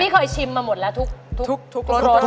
เคยชิมมาหมดแล้วทุกรส